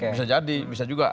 bisa jadi bisa juga